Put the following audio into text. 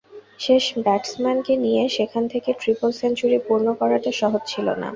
শেষ ব্যাটসম্যানকে নিয়ে সেখান থেকে ট্রিপল সেঞ্চুরি পূর্ণ করাটা সহজ ছিল না।